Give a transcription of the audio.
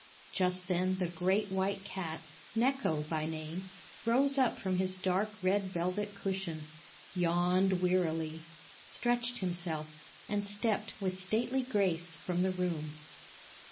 Just then the great white cat, "Necho" by name, rose up from his dark red velvet cushion, yawned wearily, stretched himself, and stepped with stately grace from the room.